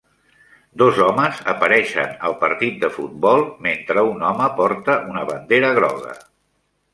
Dos homes apareixen al partit de futbol mentre un home porta una bandera groga.